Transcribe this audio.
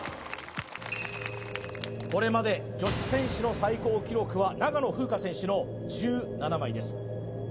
これまで女子選手の最高記録は長野風花選手の１７枚です